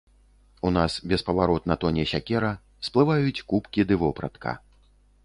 У нас беспаваротна тоне сякера, сплываюць кубкі ды вопратка.